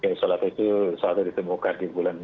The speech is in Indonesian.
isolat itu suatu ditemukan di bulan